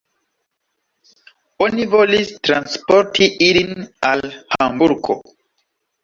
Oni volis transporti ilin al Hamburgo.